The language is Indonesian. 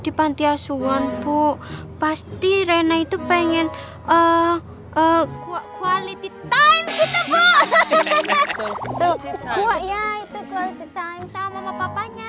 di pantiasuan bu pasti rena itu pengen eh eh quality time gitu bu hahaha ya itu sama papanya